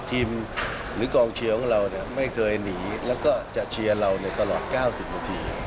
หรือกองเชียร์ของเราเนี่ยไม่เคยหนีแล้วก็จะเชียร์เราในตลอด๙๐นาที